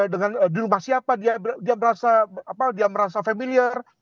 dengan di rumah siapa dia merasa familiar